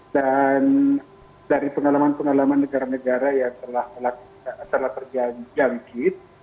dan dari pengalaman pengalaman negara negara yang telah terjangkit